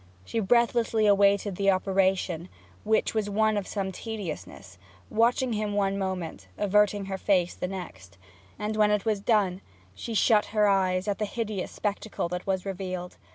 She breathlessly awaited the operation, which was one of some tediousness, watching him one moment, averting her face the next; and when it was done she shut her eyes at the hideous spectacle that was revealed.